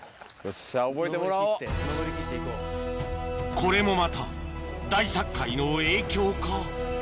これもまた大殺界の影響か？